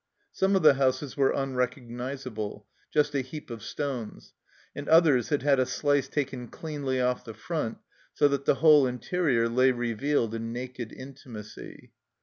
Some of the houses were unrecognizable just a heap of stones and others had had a slice taken cleanly off the front, so that the whole interior lay revealed in naked intimacy.